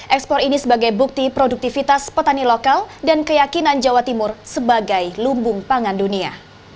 ekspor ini sebagai bukti produktivitas petani lokal dan keyakinan jawa timur sebagai lumbung pangan dunia